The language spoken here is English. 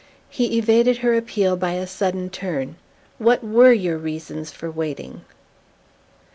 He evaded her appeal by a sudden turn. "What WERE your reasons for waiting?"